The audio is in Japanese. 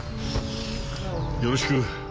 よろしく。